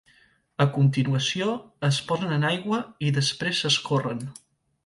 A continuació es posen en aigua i després s'escorren.